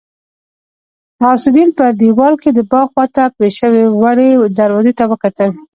غوث الدين په دېوال کې د باغ خواته پرې شوې وړې دروازې ته وکتل.